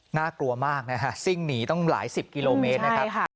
น่ากลัวมากนะฮะซิ่งหนีต้องหลายสิบกิโลเมตรนะครับ